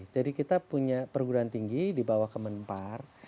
jadi kita punya perguruan tinggi di bawah kemenpar